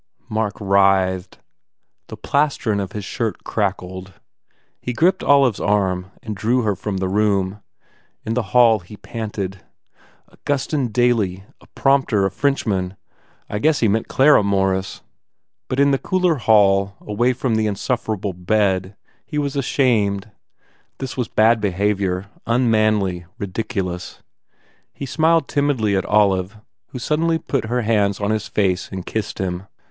Mark writhed. The plastron of his shirt crackled. He gripped Olive s arm and drew her from the room. In the hall he panted, "Augustin 252 THE IDOLATER Daly s prompter a Frenchman I guess he meant Clara Morris." But in the cooler hall, away from the insufferable bed, he was ashamed. This was bad behaviour, unmanly, ridiculous. He smiled timidly at Olive who suddenly put her hands on his face and kissed him.